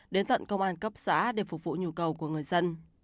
đến tận công an cấp xã để phục vụ nhu cầu của người dân